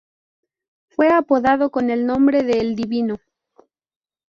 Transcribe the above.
Fue apodado con el nombre de "El Divino".